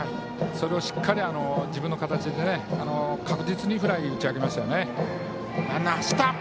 それをしっかり自分の形で確実にフライを打ち上げましたね。